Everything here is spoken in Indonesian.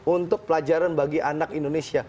untuk pelajaran bagi anak indonesia